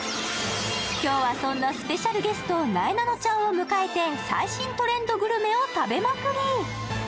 今日はそんなスペシャルゲスト、なえなのちゃんを迎えて最新トレンドグルメを食べまくり。